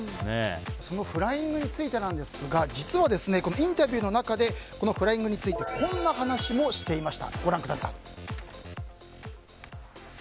そのフライングについてですが実はインタビューの中でこのフライングについてこんな話もしていました。